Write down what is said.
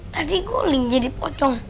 tadi guling jadi pocong